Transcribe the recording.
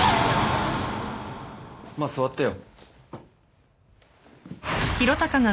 まあ座ってよ。